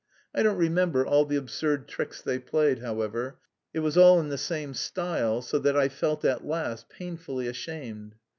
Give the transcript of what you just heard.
I don't remember all the absurd tricks they played, however; it was all in the same style, so that I felt at last painfully ashamed.